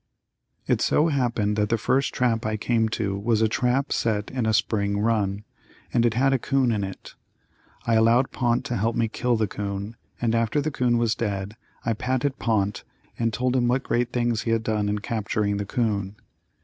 It so happened that the first trap I came to was a trap set in a spring run, and it had a 'coon in it. I allowed Pont to help kill the 'coon, and after the 'coon was dead, I patted Pont and told him what great things he had done in capturing the 'coon.